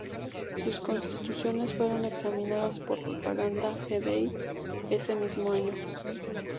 Sus "Constituciones" fueron examinadas por Propaganda Fidei ese mismo año.